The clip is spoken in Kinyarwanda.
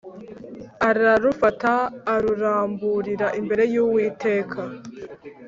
Ararufata aruramburira imbere y’Uwiteka